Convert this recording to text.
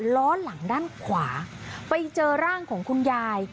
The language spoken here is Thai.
ล้อหลังด้านขวาไปเจอร่างของคุณยาย